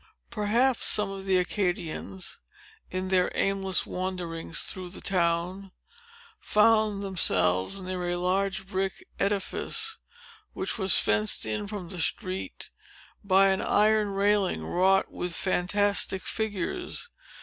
Perhaps some of the Acadians, in their aimless wanderings through the town, found themselves near a large brick edifice, which was fenced in from the street by an iron railing, wrought with fantastic figures.